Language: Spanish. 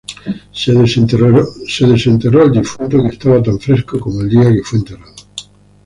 Se desenterró al difunto que estaba tan fresco como el día que fue enterrado.